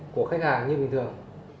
của khách hàng như bình thường